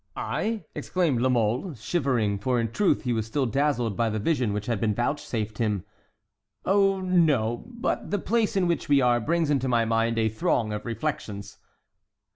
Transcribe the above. "I?" exclaimed La Mole, shivering, for in truth he was still dazzled by the vision which had been vouchsafed him. "Oh, no, but the place in which we are brings into my mind a throng of reflections."